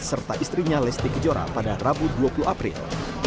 serta istrinya lesti kejora pada rabu dua puluh april